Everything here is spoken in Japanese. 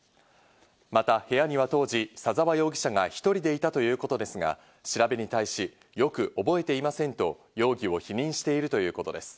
また部屋には当時、左沢容疑者が１人でいたということですが、調べに対し、よく覚えていませんと容疑を否認しているということです。